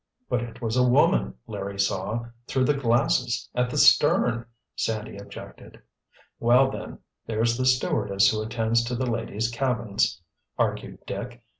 "But it was a woman Larry saw, through the glasses, at the stern," Sandy objected. "Well, then—there's the stewardess who attends to the ladies' cabins," argued Dick.